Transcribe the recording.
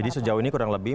jadi sejauh ini kurang lebih